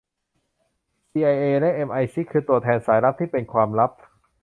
ซีไอเอและเอ็มไอซิกคือตัวแทนสายลับที่เป็นความลับ